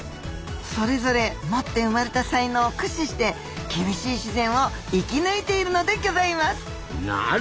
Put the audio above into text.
それぞれ持って生まれた才能を駆使して厳しい自然を生き抜いているのでぎょざいます。